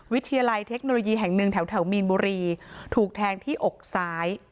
วิทยาลัยเทคโนโลยีแห่งหนึ่งแถวมีนบุรีถูกแทงที่อกซ้าย